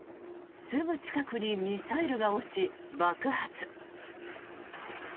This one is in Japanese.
すぐ近くにミサイルが落ち爆発。